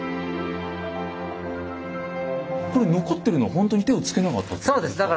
これ残ってるのはほんとに手をつけなかったっていうことですか？